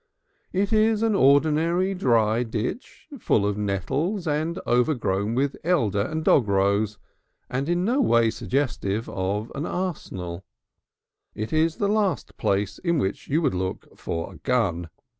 It is an ordinary dry ditch, full of nettles and overgrown with elder and dogrose, and in no way suggestive of an arsenal. It is the last place in which you would look for a gun.